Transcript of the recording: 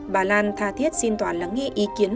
bà lan tha thiết xin toàn lắng nghe ý kiến